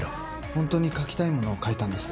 本当に書きたいものを書いたんです。